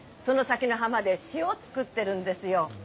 その先の浜で塩作ってるんですよ。